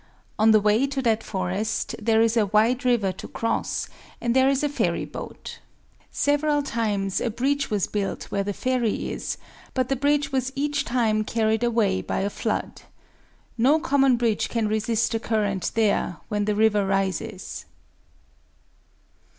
On the way to that forest there is a wide river to cross; and there is a ferry boat. Several times a bridge was built where the ferry is; but the bridge was each time carried away by a flood. No common bridge can resist the current there when the river rises.